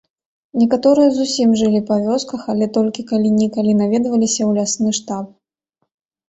Некаторыя зусім жылі па вёсках, але толькі калі-нікалі наведваліся ў лясны штаб.